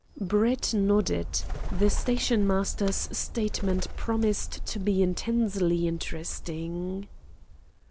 Brett nodded. The stationmaster's statement promised to be intensely interesting.